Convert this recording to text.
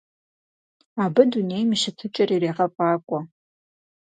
Абы дунейм и щытыкӀэр ирегъэфӀакӀуэ.